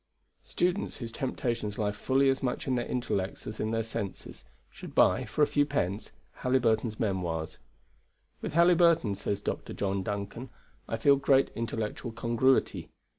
Students, whose temptations lie fully as much in their intellects as in their senses, should buy (for a few pence) Halyburton's Memoirs. "With Halyburton," says Dr. John Duncan, "I feel great intellectual congruity.